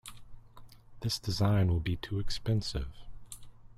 This design will be too expensive.